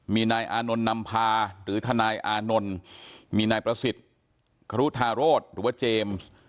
มีนายอานนท์นำพาหรือทนายอานนท์มีนายประสิทธิ์ครุธาโรธหรือว่าเจมส์